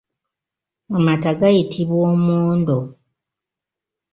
Amata gayitibwa omwondo.